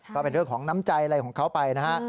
ก็เป็นเรื่องของน้ำใจอะไรของเขาไปนะฮะ